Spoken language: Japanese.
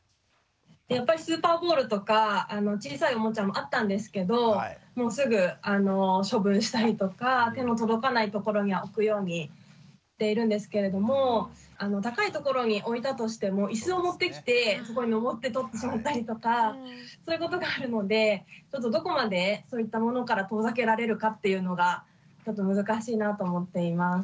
やっぱりスーパーボールとか小さいおもちゃもあったんですけどすぐ処分したりとか手の届かない所に置くようにしているんですけれども高い所に置いたとしても椅子を持ってきてそこにのぼって取ってしまったりとかそういうことがあるのでどこまでそういったものから遠ざけられるかっていうのがちょっと難しいなと思っています。